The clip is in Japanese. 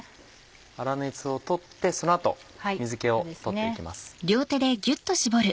粗熱を取ってその後水気を取って行きます。